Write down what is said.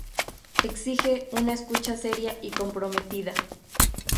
Exige una escucha seria y comprometida.